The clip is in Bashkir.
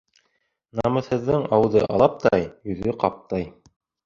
Намыҫһыҙҙың ауыҙы алаптай, йөҙө ҡаптай.